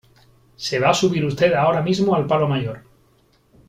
se va a subir usted ahora mismo al palo mayor